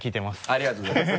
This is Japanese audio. ありがとうございます。